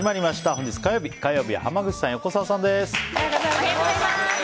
本日火曜日、火曜日は濱口さん、横澤さんです。